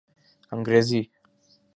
انگریزی